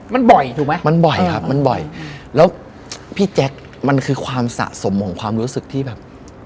มันบ่อยถูกไหมมันบ่อยครับมันบ่อยแล้วพี่แจ๊คมันคือความสะสมของความรู้สึกที่แบบ